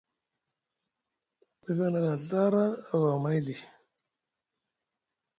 Mefeŋ nʼagaŋ Ɵara ava amay lii.